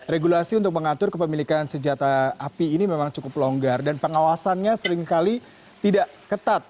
regulasi untuk mengatur kepemilikan senjata api ini memang cukup longgar dan pengawasannya seringkali tidak ketat